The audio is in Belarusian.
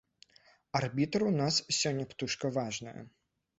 Арбітр у нас сёння птушка важная.